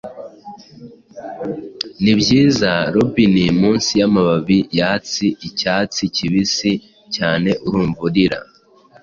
Nibyiza, robini! Munsi yamababi yatsi Icyatsi kibisi Cyane urumva urira